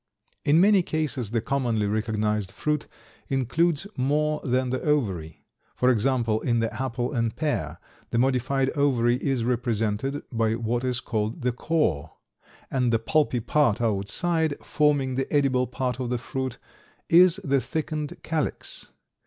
In many cases the commonly recognized fruit includes more than the ovary. For example, in the apple and pear the modified ovary is represented by what is called the "core," and the pulpy part outside, forming the edible part of the fruit, is the thickened calyx.